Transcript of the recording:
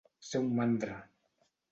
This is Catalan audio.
Ser un mandra.